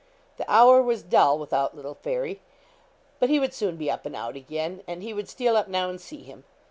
The hour was dull without little Fairy; but he would soon be up and out again, and he would steal up now and see him.